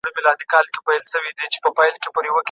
وچې مېوې د بدن د دفاعي سیسټم لپاره اړینې دي.